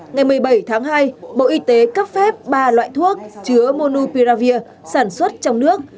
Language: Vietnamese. ngày một mươi bảy tháng hai bộ y tế cấp phép ba loại thuốc chứa monupiravir sản xuất trong nước